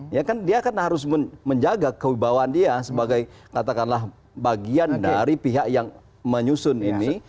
ya kan dia kan harus menjaga kewibawaan dia sebagai katakanlah bagian dari pihak yang menyusun ini